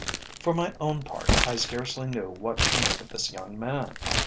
For my own part, I scarcely knew what to make of this young man.